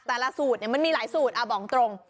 แต่ละสูตรมันมีหลายสูตรบอกตรง